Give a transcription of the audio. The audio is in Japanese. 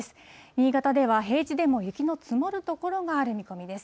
新潟では平地でも雪の積もる所がある見込みです。